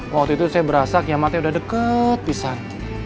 waktu itu saya berasa kiamatnya udah deket pisang